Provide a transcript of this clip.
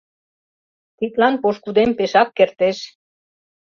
Тидлан пошкудем пешак кертеш.